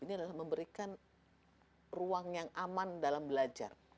ini adalah memberikan ruang yang aman dalam belajar